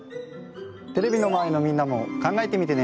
テレビのまえのみんなも考えてみてね。